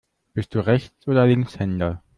Bist du Rechts- oder Linkshänder?